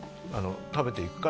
「食べていくか？」